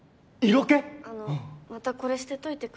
あのまたこれ捨てといてください。